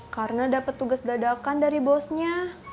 karena dapet tugas dadakan dari bosnya